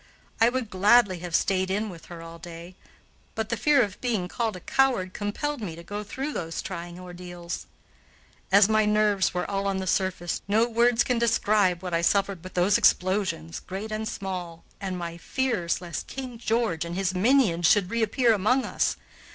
I would gladly have stayed in with her all day, but the fear of being called a coward compelled me to go through those trying ordeals. As my nerves were all on the surface, no words can describe what I suffered with those explosions, great and small, and my fears lest King George and his minions should reappear among us.